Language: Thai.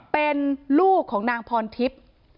เป็นลูกของนางพรทิพย์